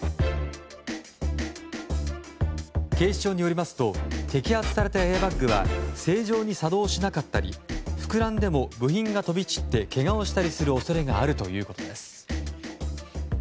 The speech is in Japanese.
警視庁によりますと摘発されたエアバッグは正常に作動しなかったり膨らんでも部品が飛び散ってけがをする恐れがあるということです。